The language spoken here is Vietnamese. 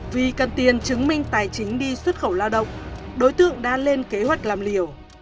vì cần tiền chứng minh tài chính đi xuất khẩu lao động đối tượng đã lên kế hoạch làm liều